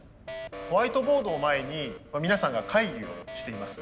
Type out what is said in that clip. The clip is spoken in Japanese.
ホワイトボードを前に皆さんが会議をしています。